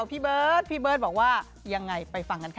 พี่เบิร์ตพี่เบิร์ตบอกว่ายังไงไปฟังกันค่ะ